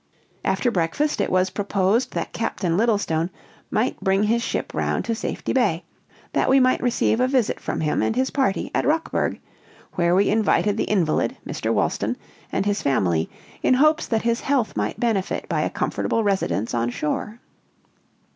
After breakfast, it was proposed that Captain Littlestone should bring his ship round to Safety Bay, that we might receive a visit from him and his party, at Rockburg where we invited the invalid, Mr. Wolston, and his family, in hopes that his health might benefit by a comfortable residence on shore.